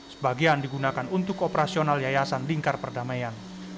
sebagian digunakan untuk operasional yayasan lingkar perdamaian